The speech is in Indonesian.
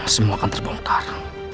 semua akan terbongkar